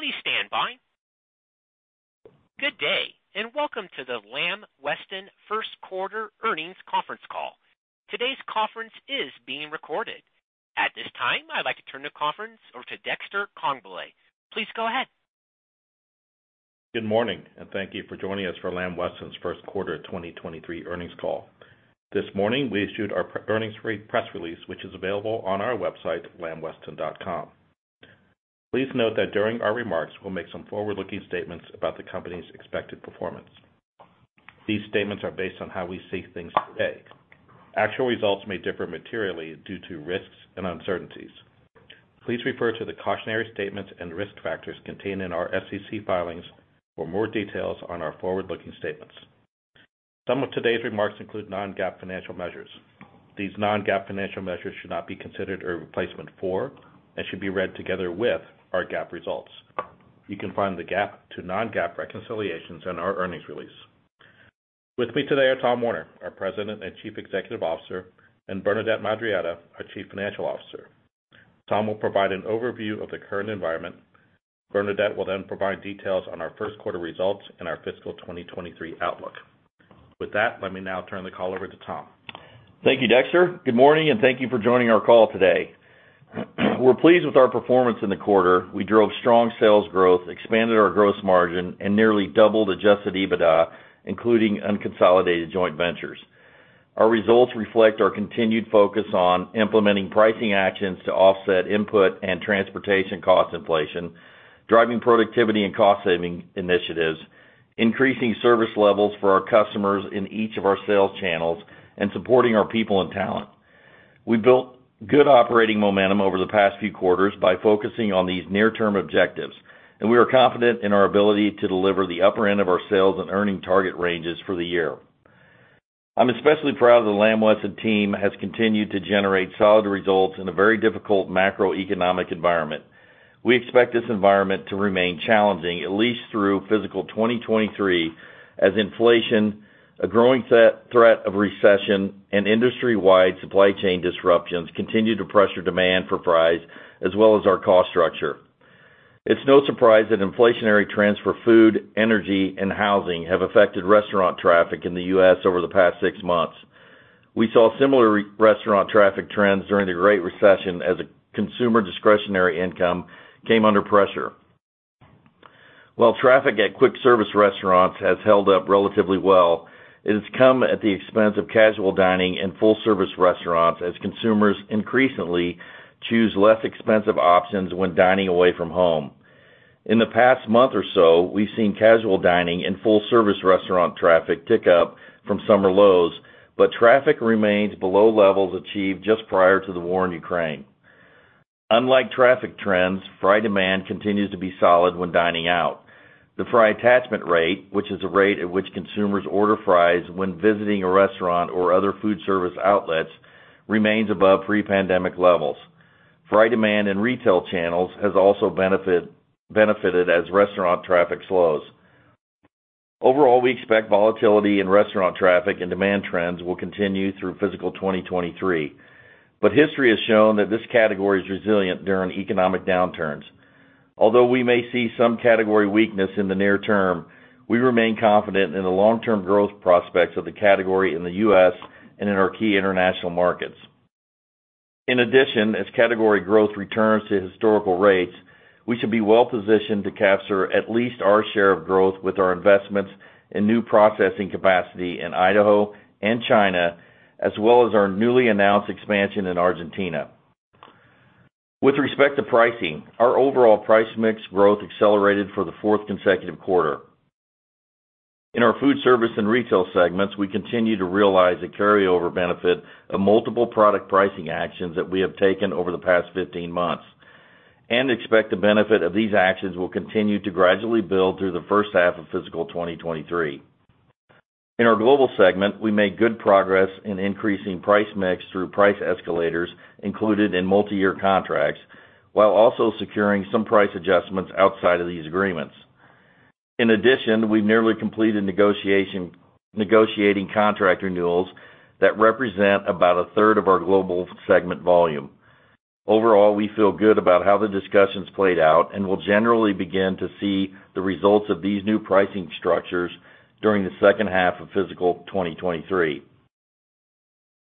Please stand by. Good day, and welcome to the Lamb Weston First Quarter Earnings Conference Call. Today's conference is being recorded. At this time, I'd like to turn the conference over to Dexter Congbalay. Please go ahead. Good morning, and thank you for joining us for Lamb Weston's First Quarter 2023 Earnings Call. This morning, we issued our earnings free press release, which is available on our website, lambweston.com. Please note that during our remarks, we'll make some forward-looking statements about the company's expected performance. These statements are based on how we see things today. Actual results may differ materially due to risks and uncertainties. Please refer to the cautionary statements and risk factors contained in our SEC filings for more details on our forward-looking statements. Some of today's remarks include non-GAAP financial measures. These non-GAAP financial measures should not be considered a replacement for and should be read together with our GAAP results. You can find the GAAP to non-GAAP reconciliations in our earnings release. With me today are Tom Werner, our President and Chief Executive Officer, and Bernadette Madarieta, our Chief Financial Officer. Tom will provide an overview of the current environment. Bernadette will then provide details on our First Quarter Results and our Fiscal 2023 outlook. With that, let me now turn the call over to Tom. Thank you, Dexter. Good morning, and thank you for joining our call today. We're pleased with our performance in the quarter. We drove strong sales growth, expanded our gross margin, and nearly doubled adjusted EBITDA, including unconsolidated joint ventures. Our results reflect our continued focus on implementing pricing actions to offset input and transportation cost inflation, driving productivity and cost-saving initiatives, increasing service levels for our customers in each of our sales channels, and supporting our people and talent. We built good operating momentum over the past few quarters by focusing on these near-term objectives, and we are confident in our ability to deliver the upper end of our sales and earnings target ranges for the year. I'm especially proud of the Lamb Weston team has continued to generate solid results in a very difficult macroeconomic environment. We expect this environment to remain challenging at least through fiscal 2023 as inflation, a growing threat of recession, and industry-wide supply chain disruptions continue to pressure demand for fries as well as our cost structure. It's no surprise that inflationary trends for food, energy, and housing have affected restaurant traffic in the U.S. over the past six months. We saw similar restaurant traffic trends during the Great Recession as consumer discretionary income came under pressure. While traffic at quick service restaurants has held up relatively well, it has come at the expense of casual dining and full-service restaurants as consumers increasingly choose less expensive options when dining away from home. In the past month or so, we've seen casual dining and full-service restaurant traffic tick up from summer lows, but traffic remains below levels achieved just prior to the war in Ukraine. Unlike traffic trends, fry demand continues to be solid when dining out. The fry attachment rate, which is the rate at which consumers order fries when visiting a restaurant or other food service outlets, remains above pre-pandemic levels. Fry demand in retail channels has also benefited as restaurant traffic slows. Overall, we expect volatility in restaurant traffic and demand trends will continue through Fiscal 2023, but history has shown that this category is resilient during economic downturns. Although we may see some category weakness in the near term, we remain confident in the long-term growth prospects of the category in the U.S. and in our key international markets. In addition, as category growth returns to historical rates, we should be well positioned to capture at least our share of growth with our investments in new processing capacity in Idaho and China, as well as our newly announced expansion in Argentina. With respect to pricing, our overall price mix growth accelerated for the fourth consecutive quarter. In our food service and retail segments, we continue to realize the carryover benefit of multiple product pricing actions that we have taken over the past 15 months and expect the benefit of these actions will continue to gradually build through the first half of Fiscal 2023. In our global segment, we made good progress in increasing price mix through price escalators included in multiyear contracts, while also securing some price adjustments outside of these agreements. In addition, we've nearly completed negotiating contract renewals that represent about a third of our global segment volume. Overall, we feel good about how the discussions played out and will generally begin to see the results of these new pricing structures during the second half of Fiscal 2023.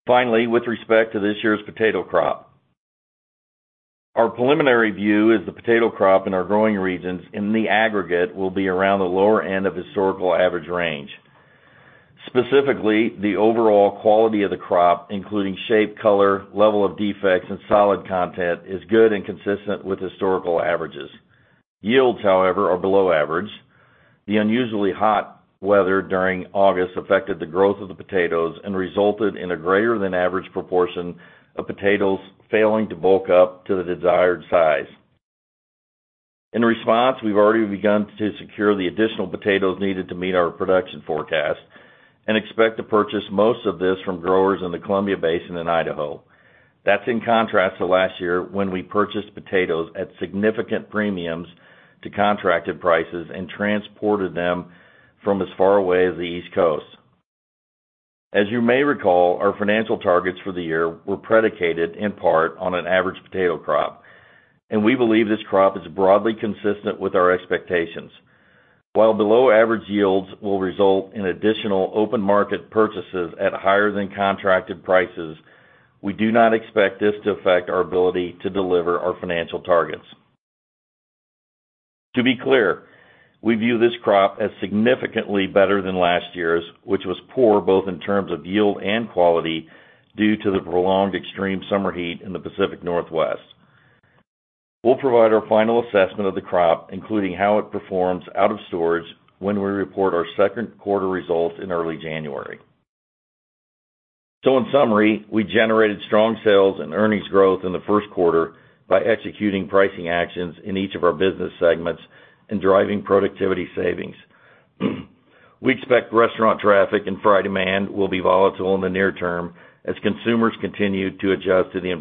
Finally, with respect to this year's potato crop, our preliminary view is the potato crop in our growing regions in the aggregate will be around the lower end of historical average range. Specifically, the overall quality of the crop, including shape, color, level of defects, and solid content, is good and consistent with historical averages. Yields, however, are below average. The unusually hot weather during August affected the growth of the potatoes and resulted in a greater than average proportion of potatoes failing to bulk up to the desired size. In response, we've already begun to secure the additional potatoes needed to meet our production forecast and expect to purchase most of this from growers in the Columbia Basin in Idaho. That's in contrast to last year when we purchased potatoes at significant premiums to contracted prices and transported them from as far away as the East Coast. As you may recall, our financial targets for the year were predicated in part on an average potato crop, and we believe this crop is broadly consistent with our expectations. While below average yields will result in additional open market purchases at higher than contracted prices, we do not expect this to affect our ability to deliver our financial targets. To be clear, we view this crop as significantly better than last year's, which was poor both in terms of yield and quality due to the prolonged extreme summer heat in the Pacific Northwest. We'll provide our final assessment of the crop, including how it performs out of storage when we report our second quarter results in early January. In summary, we generated strong sales and earnings growth in the first quarter by executing pricing actions in each of our business segments and driving productivity savings. We expect restaurant traffic and fry demand will be volatile in the near term as consumers continue to adjust to the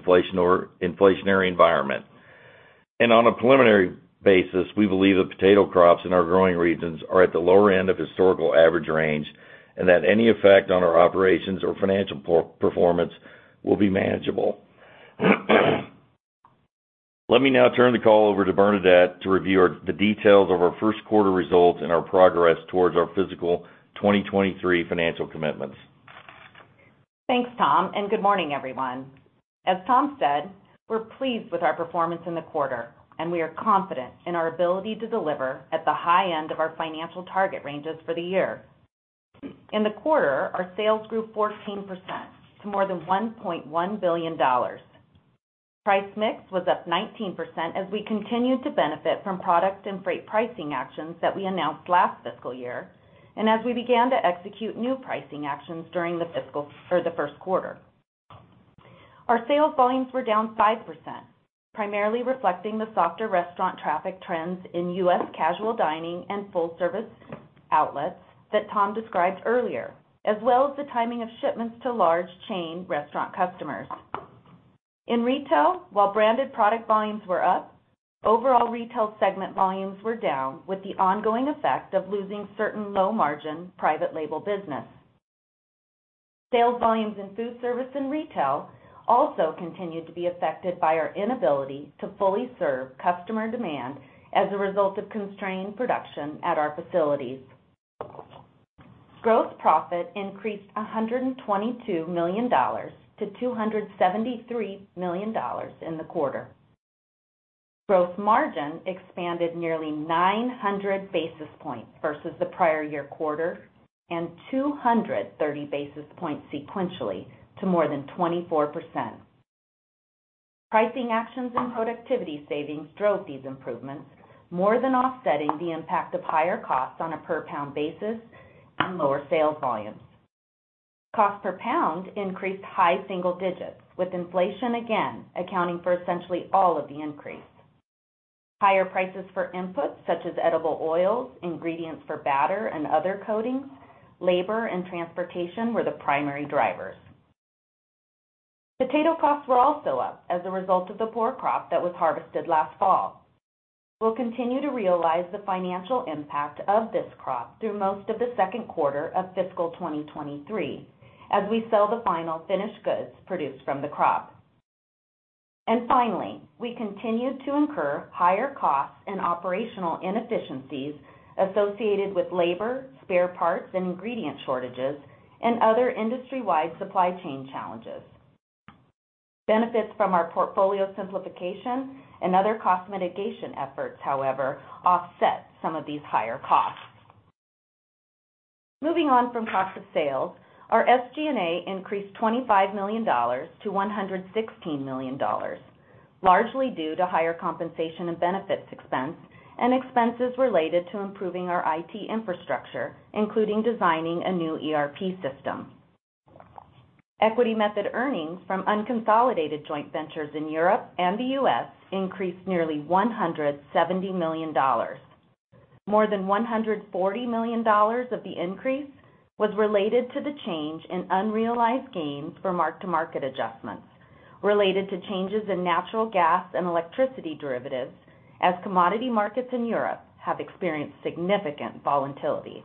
inflationary environment. On a preliminary basis, we believe the potato crops in our growing regions are at the lower end of historical average range, and that any effect on our operations or financial performance will be manageable. Let me now turn the call over to Bernadette to review the details of our first quarter results and our progress towards our Fiscal 2023 financial commitments. Thanks, Tom, and good morning, everyone. As Tom said, we're pleased with our performance in the quarter, and we are confident in our ability to deliver at the high end of our financial target ranges for the year. In the quarter, our sales grew 14% to more than $1.1 billion. Price mix was up 19% as we continued to benefit from product and freight pricing actions that we announced last fiscal year, and as we began to execute new pricing actions during the first quarter. Our sales volumes were down 5%, primarily reflecting the softer restaurant traffic trends in U.S. casual dining and full-service outlets that Tom described earlier, as well as the timing of shipments to large chain restaurant customers. In retail, while branded product volumes were up, overall retail segment volumes were down, with the ongoing effect of losing certain low-margin private label business. Sales volumes in food service and retail also continued to be affected by our inability to fully serve customer demand as a result of constrained production at our facilities. Gross profit increased $122 million-$273 million in the quarter. Gross margin expanded nearly 900 basis points versus the prior year quarter and 230 basis points sequentially to more than 24%. Pricing actions and productivity savings drove these improvements, more than offsetting the impact of higher costs on a per pound basis and lower sales volumes. Cost per pound increased high single digits, with inflation again accounting for essentially all of the increase. Higher prices for inputs such as edible oils, ingredients for batter and other coatings, labor and transportation were the primary drivers. Potato costs were also up as a result of the poor crop that was harvested last fall. We'll continue to realize the financial impact of this crop through most of the second quarter of Fiscal 2023 as we sell the final finished goods produced from the crop. Finally, we continued to incur higher costs and operational inefficiencies associated with labor, spare parts, and ingredient shortages and other industry-wide supply chain challenges. Benefits from our portfolio simplification and other cost mitigation efforts, however, offset some of these higher costs. Moving on from cost of sales, our SG&A increased $25 million-$116 million, largely due to higher compensation and benefits expense and expenses related to improving our IT infrastructure, including designing a new ERP system. Equity method earnings from unconsolidated joint ventures in Europe and the U.S. increased nearly $170 million. More than $140 million of the increase was related to the change in unrealized gains for mark-to-market adjustments related to changes in natural gas and electricity derivatives as commodity markets in Europe have experienced significant volatility.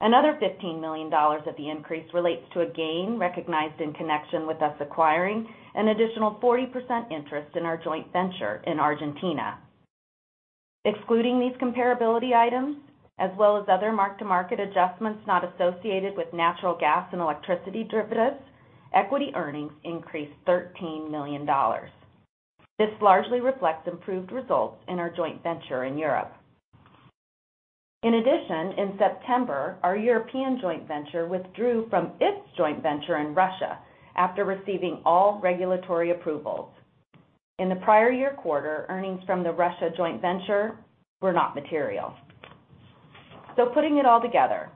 Another $15 million of the increase relates to a gain recognized in connection with our acquiring an additional 40% interest in our joint venture in Argentina. Excluding these comparability items, as well as other mark-to-market adjustments not associated with natural gas and electricity derivatives, equity earnings increased $13 million. This largely reflects improved results in our joint venture in Europe. In addition, in September, our European joint venture withdrew from its joint venture in Russia after receiving all regulatory approvals. In the prior year quarter, earnings from the Russia joint venture were not material. Putting it all together,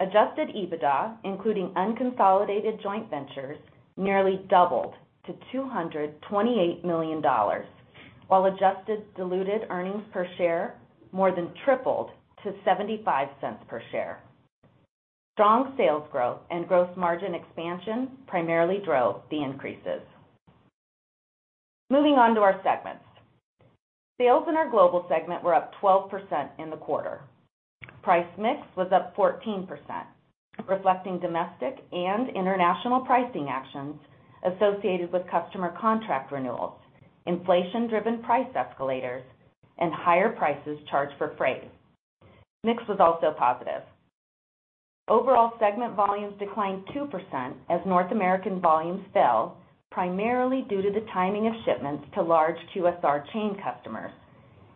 adjusted EBITDA, including unconsolidated joint ventures, nearly doubled to $228 million, while adjusted diluted earnings per share more than tripled to $0.75 per share. Strong sales growth and gross margin expansion primarily drove the increases. Moving on to our segments. Sales in our global segment were up 12% in the quarter. Price mix was up 14%, reflecting domestic and international pricing actions associated with customer contract renewals, inflation driven price escalators and higher prices charged for freight. Mix was also positive. Overall segment volumes declined 2% as North American volumes fell primarily due to the timing of shipments to large QSR chain customers,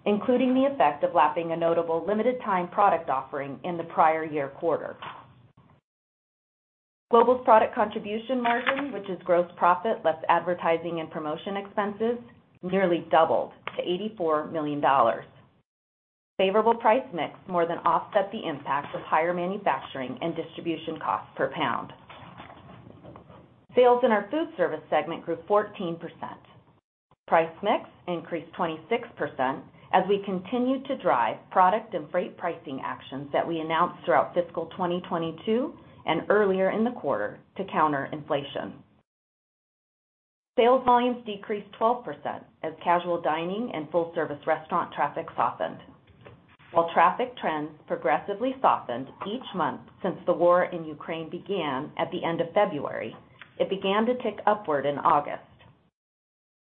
including the effect of lapping a notable limited time product offering in the prior year quarter. Global's product contribution margin, which is gross profit less advertising and promotion expenses, nearly doubled to $84 million. Favorable price mix more than offset the impact of higher manufacturing and distribution costs per pound. Sales in our food service segment grew 14%. Price mix increased 26% as we continued to drive product and freight pricing actions that we announced throughout Fiscal 2022 and earlier in the quarter to counter inflation. Sales volumes decreased 12% as casual dining and full-service restaurant traffic softened. While traffic trends progressively softened each month since the war in Ukraine began at the end of February, it began to tick upward in August.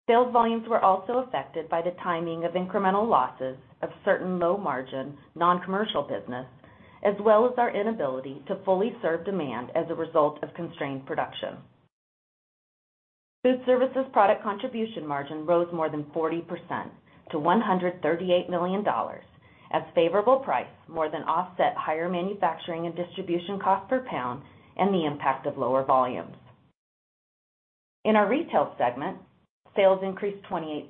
Sales volumes were also affected by the timing of incremental losses of certain low margin non-commercial business, as well as our inability to fully serve demand as a result of constrained production. Food services product contribution margin rose more than 40% to $138 million, as favorable price more than offset higher manufacturing and distribution cost per pound and the impact of lower volumes. In our retail segment, sales increased 28%.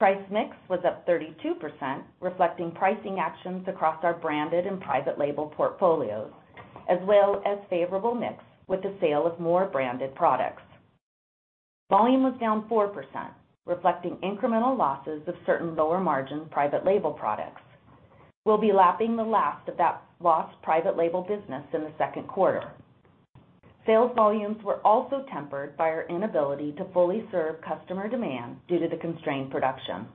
Price mix was up 32%, reflecting pricing actions across our branded and private label portfolios, as well as favorable mix with the sale of more branded products. Volume was down 4%, reflecting incremental losses of certain lower margin private label products. We'll be lapping the last of that lost private label business in the second quarter. Sales volumes were also tempered by our inability to fully serve customer demand due to the constrained production.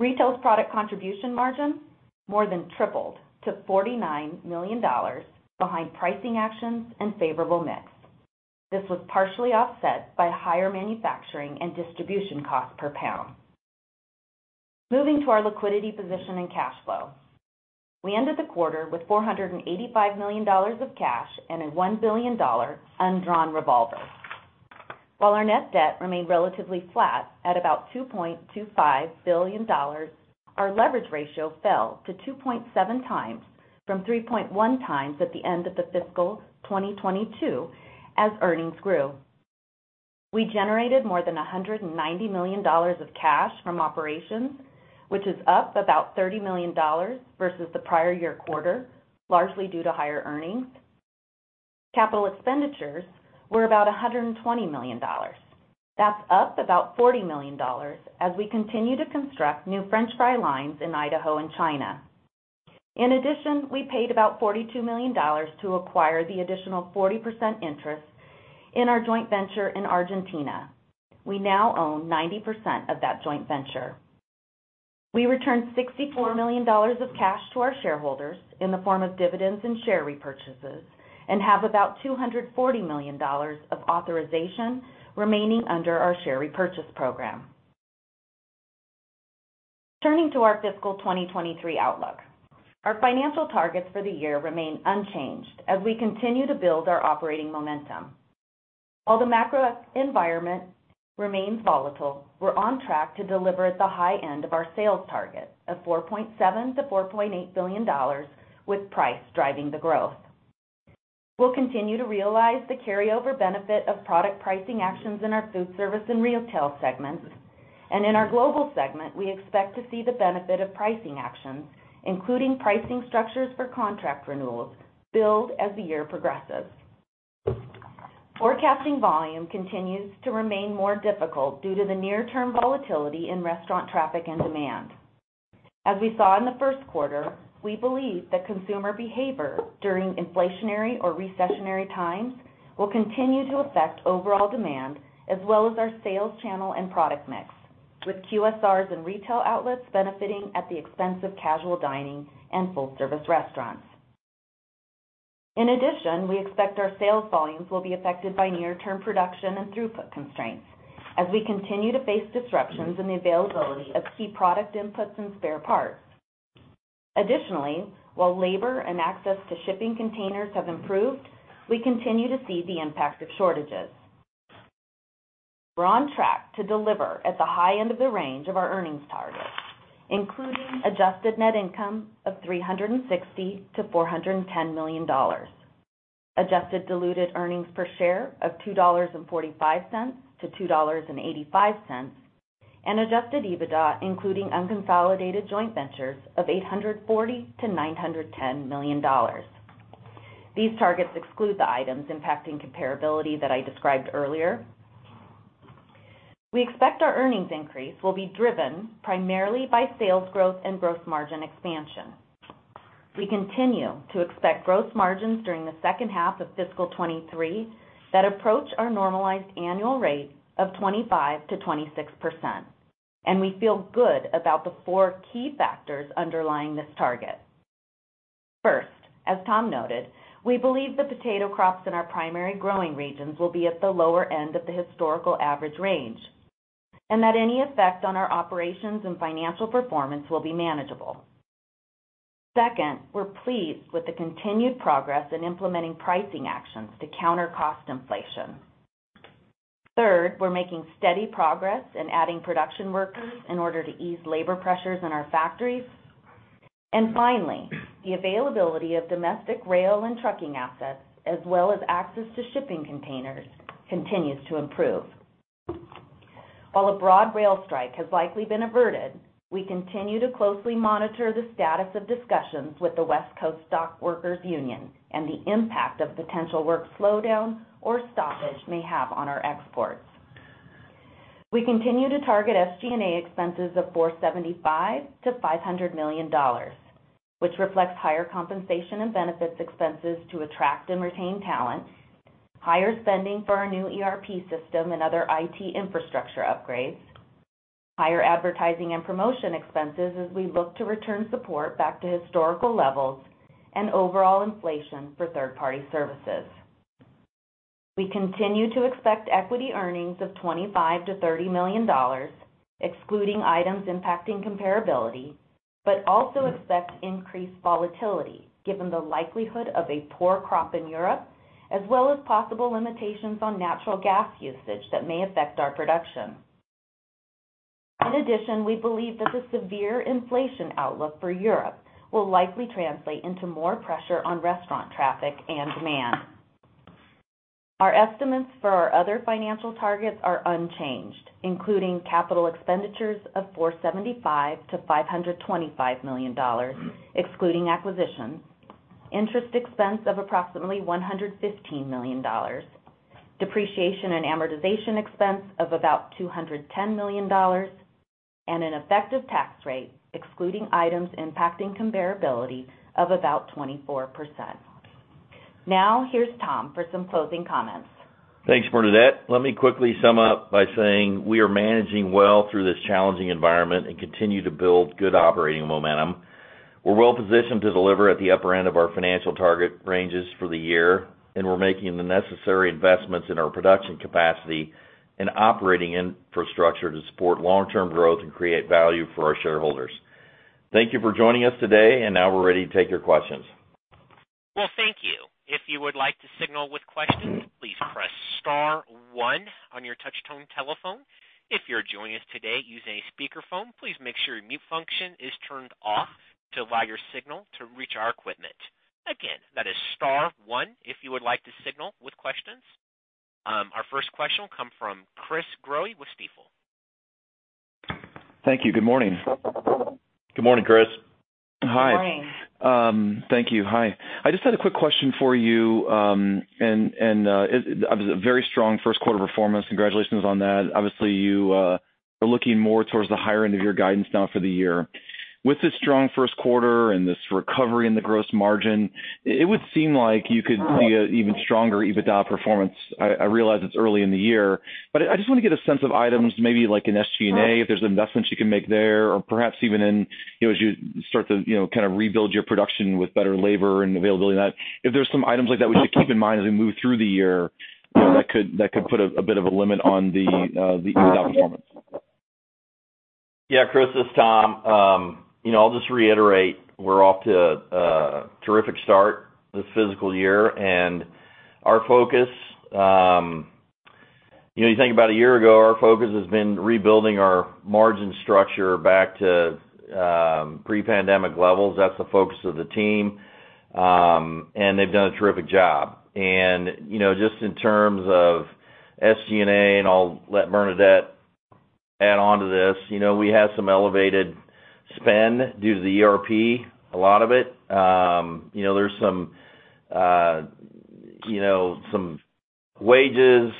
Retail's product contribution margin more than tripled to $49 million behind pricing actions and favorable mix. This was partially offset by higher manufacturing and distribution cost per pound. Moving to our liquidity position and cash flow. We ended the quarter with $485 million of cash and a $1 billion undrawn revolver. While our net debt remained relatively flat at about $2.25 billion, our leverage ratio fell to 2.7x from 3.1x at the end of the Fiscal 2022 as earnings grew. We generated more than $190 million of cash from operations, which is up about $30 million versus the prior year quarter, largely due to higher earnings. Capital expenditures were about $120 million. That's up about $40 million as we continue to construct new French fry lines in Idaho and China. In addition, we paid about $42 million to acquire the additional 40% interest in our joint venture in Argentina. We now own 90% of that joint venture. We returned $64 million of cash to our shareholders in the form of dividends and share repurchases and have about $240 million of authorization remaining under our share repurchase program. Turning to our Fiscal 2023 outlook. Our financial targets for the year remain unchanged as we continue to build our operating momentum. While the macro environment remains volatile, we're on track to deliver at the high end of our sales target of $4.7 billion-$4.8 billion with price driving the growth. We'll continue to realize the carryover benefit of product pricing actions in our food service and retail segments. In our global segment, we expect to see the benefit of pricing actions, including pricing structures for contract renewals built as the year progresses. Forecasting volume continues to remain more difficult due to the near term volatility in restaurant traffic and demand. As we saw in the first quarter, we believe that consumer behavior during inflationary or recessionary times will continue to affect overall demand as well as our sales channel and product mix, with QSRs and retail outlets benefiting at the expense of casual dining and full-service restaurants. In addition, we expect our sales volumes will be affected by near term production and throughput constraints as we continue to face disruptions in the availability of key product inputs and spare parts. Additionally, while labor and access to shipping containers have improved, we continue to see the impact of shortages. We're on track to deliver at the high end of the range of our earnings targets, including adjusted net income of $360 million-$410 million, adjusted diluted earnings per share of $2.45-$2.85, and adjusted EBITDA, including unconsolidated joint ventures of $840 million-$910 million. These targets exclude the items impacting comparability that I described earlier. We expect our earnings increase will be driven primarily by sales growth and gross margin expansion. We continue to expect gross margins during the second half of Fiscal 2023 that approach our normalized annual rate of 25%-26%, and we feel good about the four key factors underlying this target. First, as Tom noted, we believe the potato crops in our primary growing regions will be at the lower end of the historical average range, and that any effect on our operations and financial performance will be manageable. Second, we're pleased with the continued progress in implementing pricing actions to counter cost inflation. Third, we're making steady progress in adding production workers in order to ease labor pressures in our factories. Finally, the availability of domestic rail and trucking assets, as well as access to shipping containers continues to improve. While a broad rail strike has likely been averted, we continue to closely monitor the status of discussions with the International Longshore and Warehouse Union and the impact of potential work slowdown or stoppage may have on our exports. We continue to target SG&A expenses of $475 million-$500 million, which reflects higher compensation and benefits expenses to attract and retain talent, higher spending for our new ERP system and other IT infrastructure upgrades, higher advertising and promotion expenses as we look to return support back to historical levels and overall inflation for third-party services. We continue to expect equity earnings of $25 million-$30 million, excluding items impacting comparability, but also expect increased volatility given the likelihood of a poor crop in Europe, as well as possible limitations on natural gas usage that may affect our production. In addition, we believe that the severe inflation outlook for Europe will likely translate into more pressure on restaurant traffic and demand. Our estimates for our other financial targets are unchanged, including capital expenditures of $475 million-$525 million, excluding acquisitions, interest expense of approximately $115 million, depreciation and amortization expense of about $210 million, and an effective tax rate excluding items impacting comparability of about 24%. Now, here's Tom for some closing comments. Thanks, Bernadette. Let me quickly sum up by saying we are managing well through this challenging environment and continue to build good operating momentum. We're well-positioned to deliver at the upper end of our financial target ranges for the year, and we're making the necessary investments in our production capacity and operating infrastructure to support long-term growth and create value for our shareholders. Thank you for joining us today, and now we're ready to take your questions. Well, thank you. If you would like to signal with questions, please press star one on your touch tone telephone. If you're joining us today using a speakerphone, please make sure your mute function is turned off to allow your signal to reach our equipment. Again, that is star one if you would like to signal with questions. Our first question will come from Chris Growe with Stifel. Thank you. Good morning. Good morning, Chris. Good morning. Hi. Thank you. Hi. I just had a quick question for you, very strong first quarter performance. Congratulations on that. Obviously, you are looking more towards the higher end of your guidance now for the year. With this strong first quarter and this recovery in the gross margin, it would seem like you could see an even stronger EBITDA performance. I realize it's early in the year, but I just wanna get a sense of items maybe like in SG&A, if there's investments you can make there or perhaps even in, you know, as you start to, you know, kind of rebuild your production with better labor and availability and that, if there's some items like that we should keep in mind as we move through the year, that could put a bit of a limit on the EBITDA performance. Yeah, Chris, this is Tom. You know, I'll just reiterate we're off to a terrific start this fiscal year, and our focus, you know, you think about a year ago, our focus has been rebuilding our margin structure back to pre-pandemic levels. That's the focus of the team, and they've done a terrific job. You know, just in terms of SG&A, and I'll let Bernadette add onto this, you know, we had some elevated spend due to the ERP, a lot of it. You know, there's some wages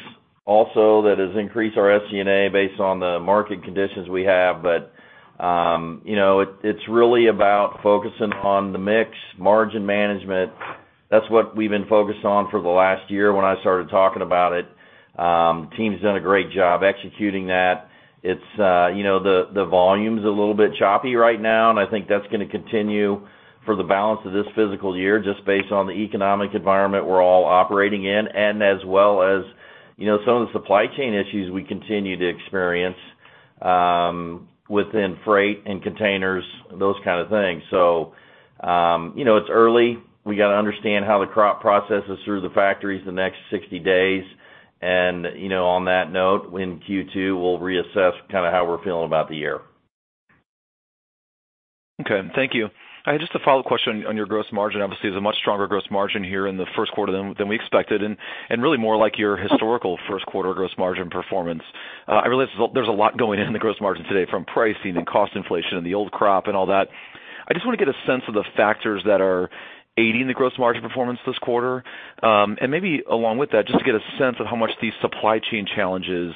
also that has increased our SG&A based on the market conditions we have. You know, it's really about focusing on the mix, margin management. That's what we've been focused on for the last year when I started talking about it. The team's done a great job executing that. It's, you know, the volume's a little bit choppy right now, and I think that's gonna continue for the balance of this fiscal year, just based on the economic environment we're all operating in and as well as, you know, some of the supply chain issues we continue to experience within freight and containers, those kind of things. You know, it's early. We gotta understand how the crop processes through the factories the next 60 days. You know, on that note, in Q2, we'll reassess kind of how we're feeling about the year. Okay. Thank you. Just a follow-up question on your gross margin. Obviously, it's a much stronger gross margin here in the first quarter than we expected, and really more like your historical first quarter gross margin performance. I realize there's a lot going in the gross margin today, from pricing and cost inflation and the old crop and all that. I just wanna get a sense of the factors that are aiding the gross margin performance this quarter. Maybe along with that, just to get a sense of how much these supply chain challenges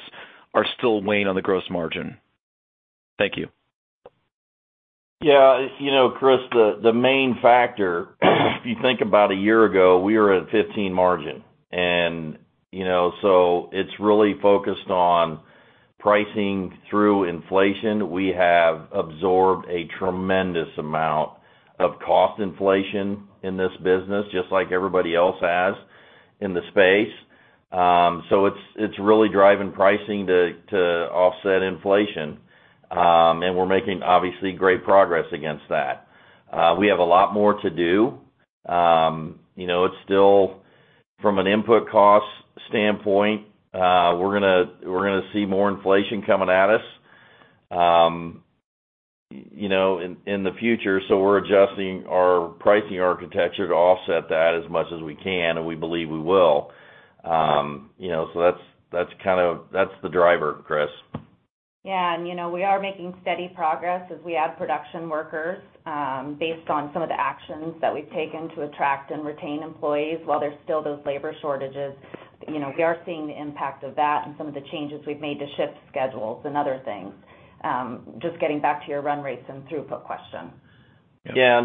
are still weighing on the gross margin. Thank you. Yeah. You know, Chris, the main factor, if you think about a year ago, we were at 15% margin. You know, it's really focused on pricing through inflation. We have absorbed a tremendous amount of cost inflation in this business, just like everybody else has in the space. It's really driving pricing to offset inflation. We're making, obviously, great progress against that. We have a lot more to do. You know, it's still from an input cost standpoint, we're gonna see more inflation coming at us, you know, in the future, so we're adjusting our pricing architecture to offset that as much as we can, and we believe we will. You know, that's kind of the driver, Chris. Yeah. You know, we are making steady progress as we add production workers, based on some of the actions that we've taken to attract and retain employees while there's still those labor shortages. You know, we are seeing the impact of that and some of the changes we've made to shift schedules and other things. Just getting back to your run rates and throughput question. Yeah.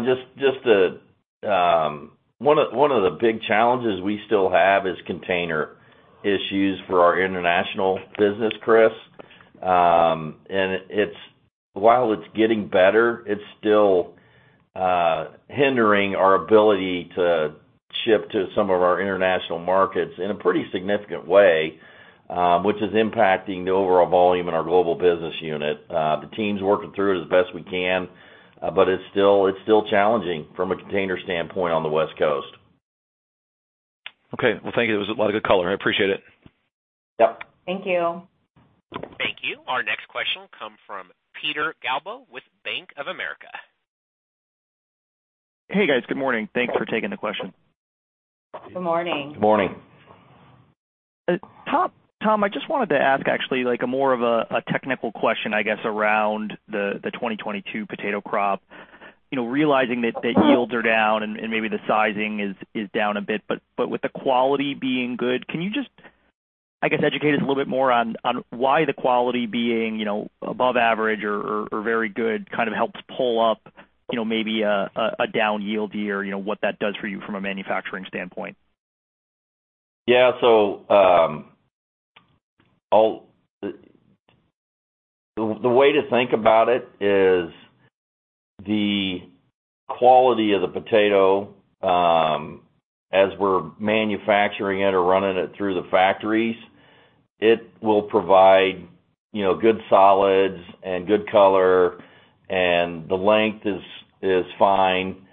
One of the big challenges we still have is container issues for our international business, Chris. While it's getting better, it's still hindering our ability to ship to some of our international markets in a pretty significant way, which is impacting the overall volume in our global business unit. The team's working through it as best we can, but it's still challenging from a container standpoint on the West Coast. Okay. Well, thank you. It was a lot of good color. I appreciate it. Yep. Thank you. Thank you. Our next question will come from Peter Galbo with Bank of America. Hey, guys. Good morning. Thanks for taking the question. Good morning. Morning. Tom, I just wanted to ask actually like a more of a technical question, I guess, around the 2022 potato crop. You know, realizing that yields are down and maybe the sizing is down a bit, but with the quality being good, can you just, I guess, educate us a little bit more on why the quality being, you know, above average or very good kind of helps pull up, you know, maybe a down yield year? You know, what that does for you from a manufacturing standpoint. Yeah. The way to think about it is the quality of the potato, as we're manufacturing it or running it through the factories, it will provide, you know, good solids and good color, and the length is fine.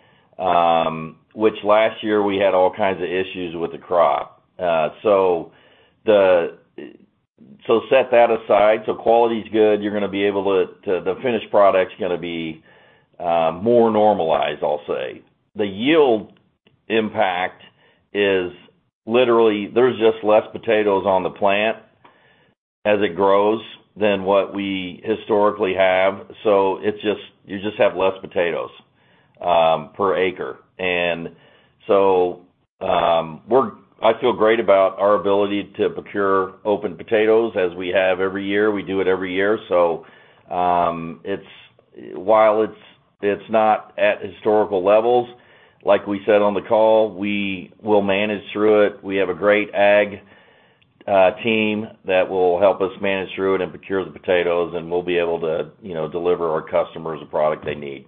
Which last year we had all kinds of issues with the crop. Set that aside, quality's good. The finished product's gonna be more normalized, I'll say. The yield impact is literally there's just less potatoes on the plant as it grows than what we historically have. It's just, you just have less potatoes per acre. I feel great about our ability to procure open potatoes as we have every year. We do it every year. While it's not at historical levels, like we said on the call, we will manage through it. We have a great ag team that will help us manage through it and procure the potatoes, and we'll be able to, you know, deliver our customers the product they need.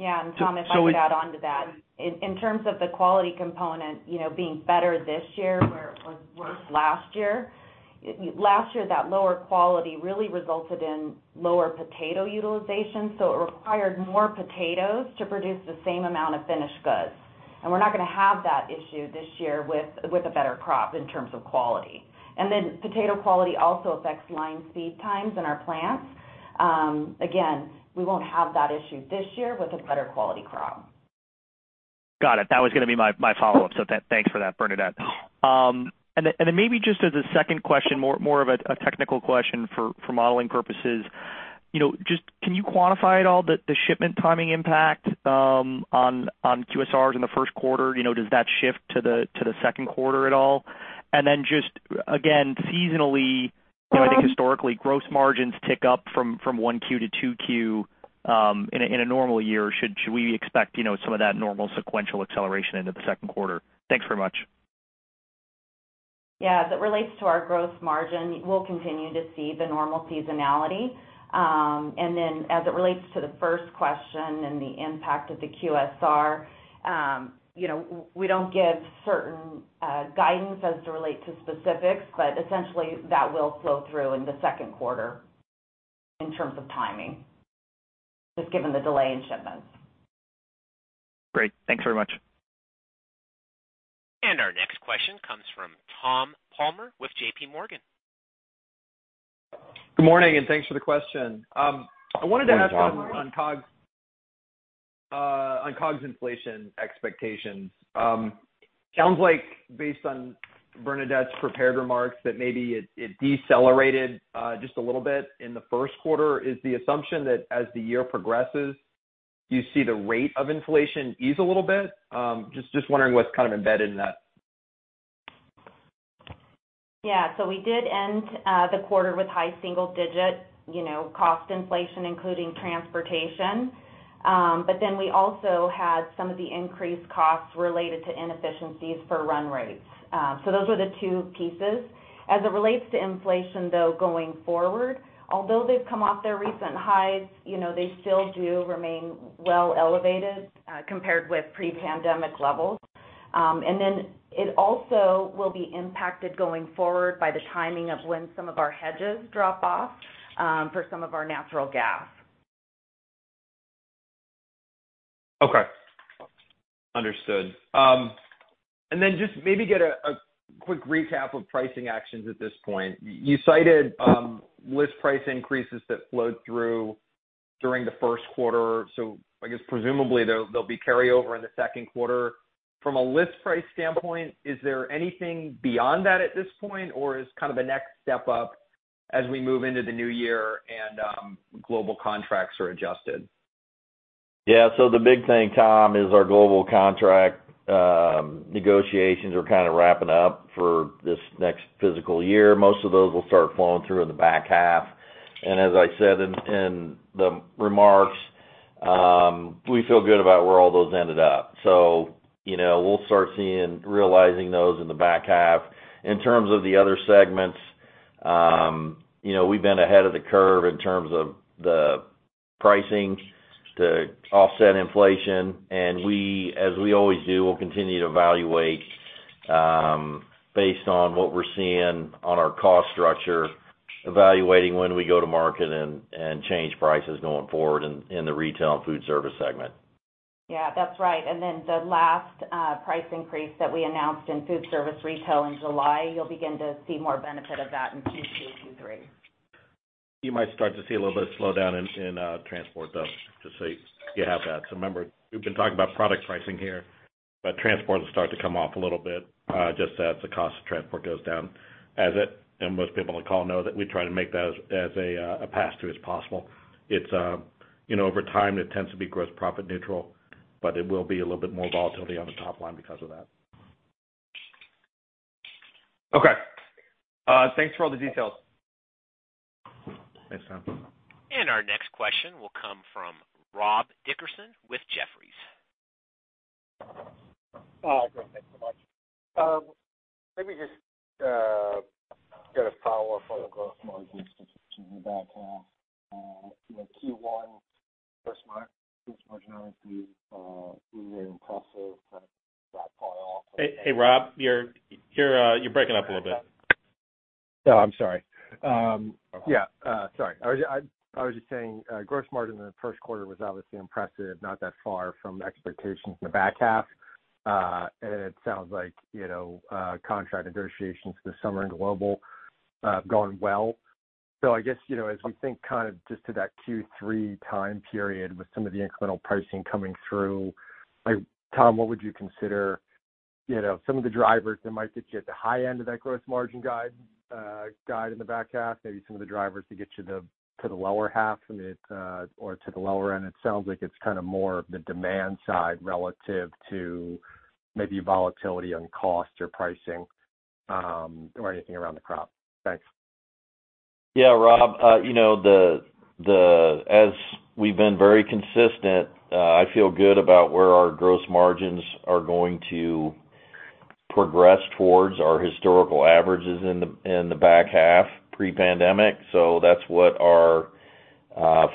Yeah. Tom, if I could add on to that. In terms of the quality component, you know, being better this year where it was worse last year, that lower quality really resulted in lower potato utilization, so it required more potatoes to produce the same amount of finished goods. We're not gonna have that issue this year with a better crop in terms of quality. Then potato quality also affects line speed times in our plants. Again, we won't have that issue this year with a better quality crop. Got it. That was gonna be my follow-up, so thanks for that, Bernadette. Then maybe just as a second question, more of a technical question for modeling purposes. You know, just can you quantify at all the shipment timing impact on QSRs in the first quarter? You know, does that shift to the second quarter at all? Then just, again, seasonally, you know, I think historically, gross margins tick up from 1Q to 2Q in a normal year. Shall we expect, you know, some of that normal sequential acceleration into the second quarter? Thanks very much. Yeah. As it relates to our gross margin, we'll continue to see the normal seasonality. As it relates to the first question and the impact of the QSR, you know, we don't give certain guidance as it relates to specifics, but essentially that will flow through in the second quarter in terms of timing, just given the delay in shipments. Great. Thanks very much. Our next question comes from Tom Palmer with JPMorgan. Good morning, and thanks for the question. I wanted to ask on COGS inflation expectations. Sounds like based on Bernadette's prepared remarks that maybe it decelerated just a little bit in the first quarter. Is the assumption that as the year progresses, you see the rate of inflation ease a little bit? Just wondering what's kind of embedded in that. Yeah. We did end the quarter with high single-digit, you know, cost inflation, including transportation. We also had some of the increased costs related to inefficiencies for run rates. Those were the two pieces. As it relates to inflation, though, going forward, although they've come off their recent highs, you know, they still do remain well elevated compared with pre-pandemic levels. It also will be impacted going forward by the timing of when some of our hedges drop off for some of our natural gas. Okay. Understood. Just maybe get a quick recap of pricing actions at this point. You cited list price increases that flowed through during the first quarter, so I guess presumably they'll be carry over in the second quarter. From a list price standpoint, is there anything beyond that at this point, or is kind of a next step up as we move into the new year and global contracts are adjusted? Yeah. The big thing, Tom, is our global contract negotiations are kind of wrapping up for this next fiscal year. Most of those will start flowing through in the back half. As I said in the remarks, we feel good about where all those ended up. You know, we'll start seeing those realized in the back half. In terms of the other segments, you know, we've been ahead of the curve in terms of the pricing to offset inflation. We, as we always do, we'll continue to evaluate, based on what we're seeing on our cost structure, evaluating when we go to market and change prices going forward in the retail and food service segment. Yeah, that's right. The last price increase that we announced in food service retail in July, you'll begin to see more benefit of that in Q2, Q3. You might start to see a little bit of slowdown in transport, though, just so you have that. Remember, we've been talking about product pricing here, but transport will start to come off a little bit, just as the cost of transport goes down as it, and most people on the call know that we try to make that as a pass-through as possible. It's, you know, over time, it tends to be gross profit neutral, but it will be a little bit more volatility on the top line because of that. Okay. Thanks for all the details. Thanks, Tom. Our next question will come from Rob Dickerson with Jefferies. Great. Thanks so much. Let me just get a follow-up on the gross margin statement in the back half. You know, Q1 gross margin obviously really impressive. Kind of flatline off. Hey, Rob, you're breaking up a little bit. Oh, I'm sorry. Yeah, sorry. I was just saying gross margin in the first quarter was obviously impressive, not that far from expectations in the back half. It sounds like, you know, contract negotiations this summer in global have gone well. I guess, you know, as we think kind of just to that Q3 time period with some of the incremental pricing coming through, like, Tom, what would you consider, you know, some of the drivers that might get you at the high end of that gross margin guide in the back half, maybe some of the drivers to get you to the lower half from it or to the lower end? It sounds like it's kinda more of the demand side relative to maybe volatility on cost or pricing, or anything around the crop. Thanks. Yeah, Rob, you know, as we've been very consistent, I feel good about where our gross margins are going to progress towards our historical averages in the back half pre-pandemic. That's what our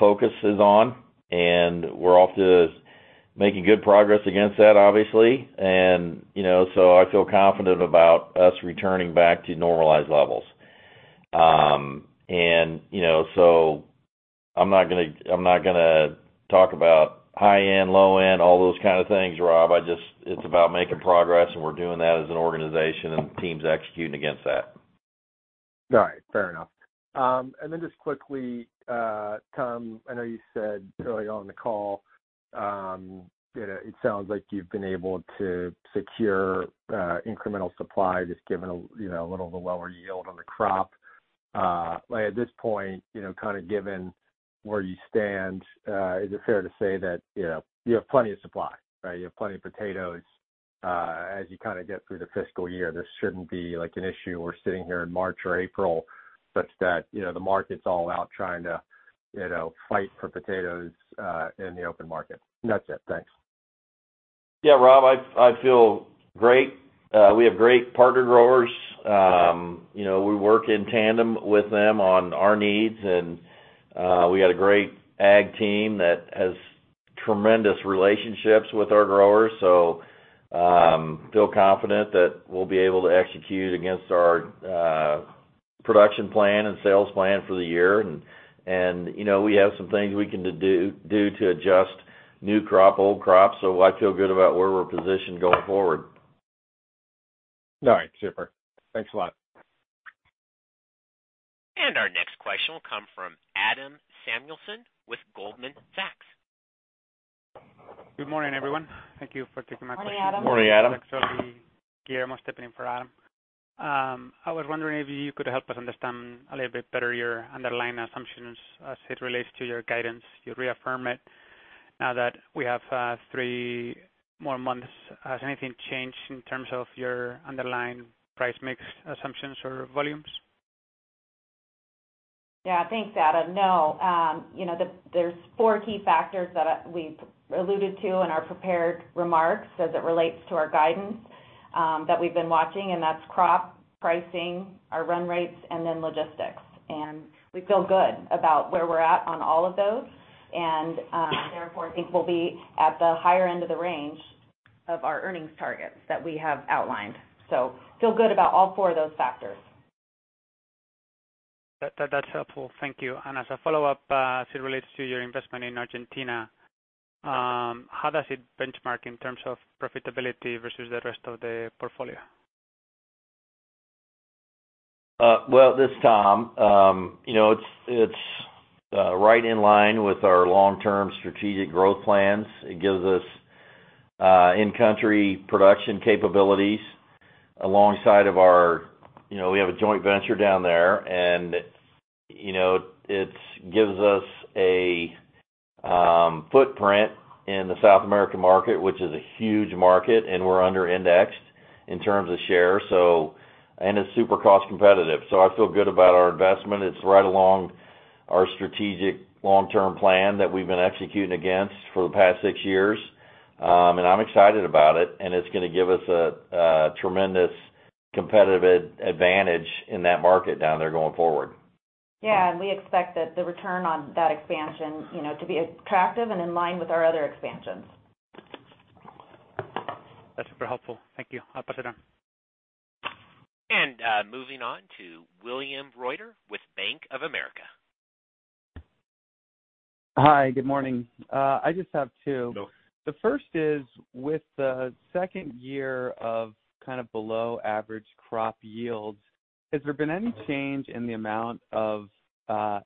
focus is on, and we're off to making good progress against that, obviously. You know, so I feel confident about us returning back to normalized levels. You know, so I'm not gonna talk about high end, low end, all those kind of things, Rob. I just, it's about making progress, and we're doing that as an organization, and the team's executing against that. All right, fair enough. And then just quickly, Tom, I know you said early on in the call, you know, it sounds like you've been able to secure incremental supply just given a, you know, a little of a lower yield on the crop. Like, at this point, you know, kind of given where you stand, is it fair to say that, you know, you have plenty of supply, right? You have plenty of potatoes. As you kinda get through the fiscal year, this shouldn't be, like, an issue where we're sitting here in March or April such that, you know, the market's all out trying to, you know, fight for potatoes in the open market. That's it. Thanks. Yeah, Rob, I feel great. We have great partner growers. You know, we work in tandem with them on our needs, and we got a great ag team that has tremendous relationships with our growers. I feel confident that we'll be able to execute against our production plan and sales plan for the year. You know, we have some things we can do to adjust new crop, old crop. I feel good about where we're positioned going forward. All right, super. Thanks a lot. Our next question will come from Adam Samuelson with Goldman Sachs. Good morning, everyone. Thank you for taking my question. Morning, Adam. Morning, Adam. This is actually Guillermo stepping in for Adam. I was wondering if you could help us understand a little bit better your underlying assumptions as it relates to your guidance. You reaffirm it. Now that we have three more months, has anything changed in terms of your underlying price mix assumptions or volumes? Yeah, thanks, Adam. No. There's four key factors that we've alluded to in our prepared remarks as it relates to our guidance that we've been watching, and that's crop pricing, our run rates, and then logistics. We feel good about where we're at on all of those. Therefore, I think we'll be at the higher end of the range of our earnings targets that we have outlined. Feel good about all four of those factors. That's helpful. Thank you. As a follow-up, as it relates to your investment in Argentina, how does it benchmark in terms of profitability versus the rest of the portfolio? Well, this is Tom. You know, it's right in line with our long-term strategic growth plans. It gives us in-country production capabilities alongside of our, you know, we have a joint venture down there, and you know, it gives us a footprint in the South American market, which is a huge market, and we're under-indexed in terms of share. And it's super cost competitive. So I feel good about our investment. It's right along our strategic long-term plan that we've been executing against for the past six years. And I'm excited about it, and it's gonna give us a tremendous competitive advantage in that market down there going forward. Yeah. We expect that the return on that expansion, you know, to be attractive and in line with our other expansions. That's super helpful. Thank you. I'll pass it on. Moving on to William Reuter with Bank of America. Hi. Good morning. I just have two. Go ahead. The first is with the second year of kind of below average crop yields. Has there been any change in the amount of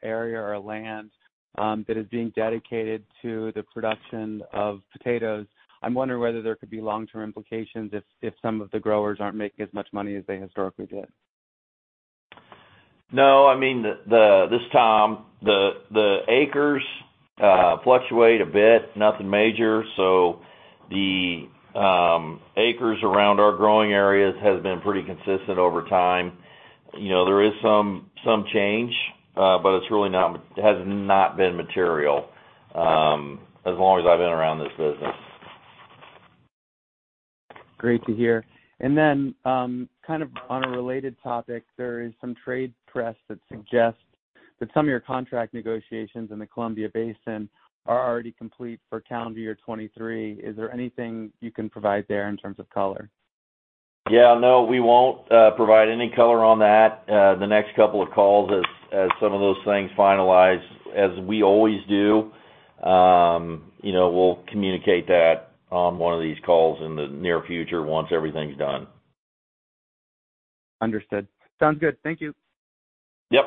area or land that is being dedicated to the production of potatoes? I'm wondering whether there could be long-term implications if some of the growers aren't making as much money as they historically did. No. I mean, this is Tom. The acres fluctuate a bit, nothing major. The acres around our growing areas has been pretty consistent over time. You know, there is some change, but it's really has not been material, as long as I've been around this business. Great to hear. Kind of on a related topic, there is some trade press that suggests that some of your contract negotiations in the Columbia Basin are already complete for Calendar Year 2023. Is there anything you can provide there in terms of color? Yeah. No, we won't provide any color on that. The next couple of calls as some of those things finalize as we always do, you know, we'll communicate that on one of these calls in the near future once everything's done. Understood. Sounds good. Thank you. Yep.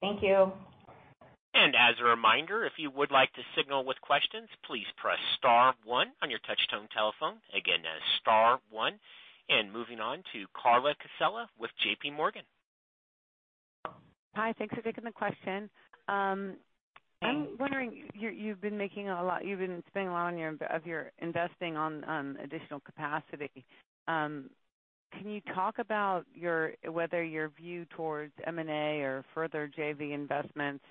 Thank you. As a reminder, if you would like to signal with questions, please press star one on your touch tone telephone. Again, star one. Moving on to Carla Casella with JPMorgan. Hi. Thanks for taking the question. I'm wondering, you've been spending a lot of your investing on additional capacity. Can you talk about whether your view towards M&A or further JV investments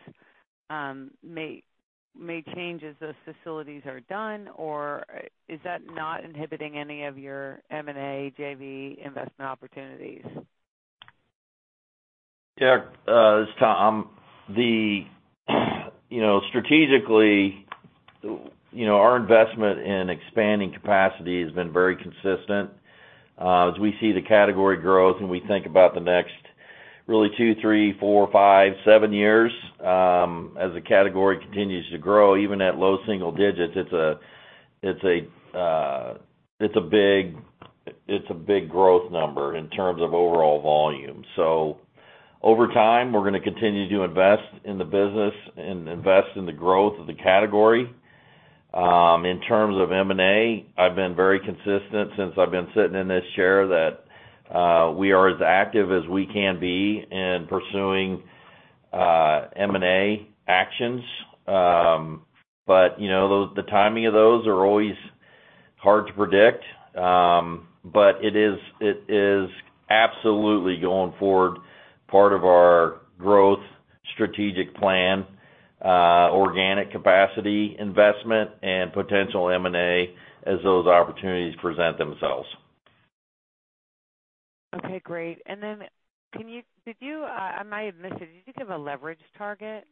may change as those facilities are done, or is that not inhibiting any of your M&A, JV investment opportunities? Yeah. This is Tom. You know, strategically, you know, our investment in expanding capacity has been very consistent. As we see the category growth and we think about the next really two, three, four, five, seven years, as the category continues to grow, even at low single digits, it's a big growth number in terms of overall volume. Over time, we're gonna continue to invest in the business and invest in the growth of the category. In terms of M&A, I've been very consistent since I've been sitting in this chair that we are as active as we can be in pursuing M&A actions. You know, the timing of those are always hard to predict. It is absolutely going forward part of our growth strategic plan, organic capacity investment and potential M&A as those opportunities present themselves. Okay, great. Did you, I might have missed it. Did you give a leverage target?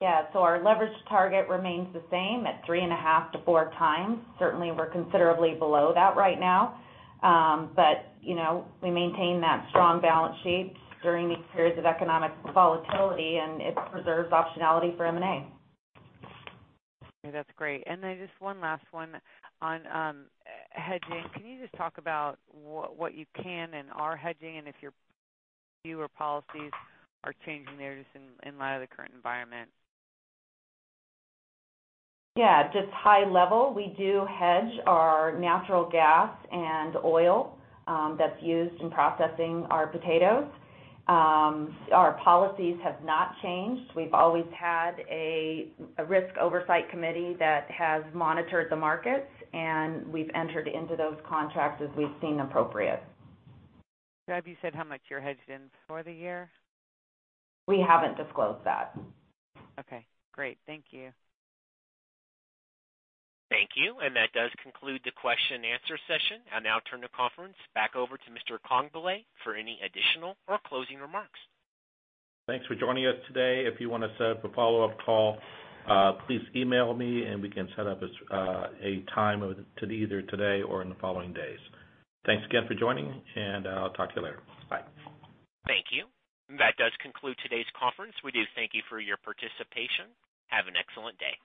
Yeah. Our leverage target remains the same at 3.5x-4x. Certainly, we're considerably below that right now. You know, we maintain that strong balance sheet during these periods of economic volatility, and it preserves optionality for M&A. Okay, that's great. Just one last one on hedging. Can you just talk about what you can and are hedging and if your view or policies are changing there just in light of the current environment? Yeah. Just high level, we do hedge our natural gas and oil, that's used in processing our potatoes. Our policies have not changed. We've always had a risk oversight committee that has monitored the markets, and we've entered into those contracts as we've seen appropriate. Deb, you said how much you're hedged in for the year? We haven't disclosed that. Okay, great. Thank you. Thank you. That does conclude the question and answer session. I'll now turn the conference back over to Mr. Congbalay for any additional or closing remarks. Thanks for joining us today. If you wanna set up a follow-up call, please email me, and we can set up a time to either today or in the following days. Thanks again for joining, and I'll talk to you later. Bye. Thank you. That does conclude today's conference. We do thank you for your participation. Have an excellent day.